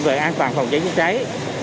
về an toàn phòng cháy chữa cháy